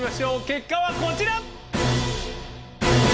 結果はこちら！